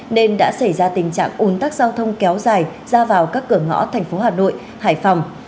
nên đã xảy ra tình trạng ủn tắc giao thông kéo dài ra vào các cửa ngõ thành phố hà nội hải phòng